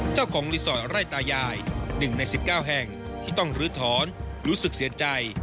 เจ้าของรีสอร์ทไร่ตายาย๑ใน๑๙แห่งที่ต้องลื้อถอนรู้สึกเสียใจ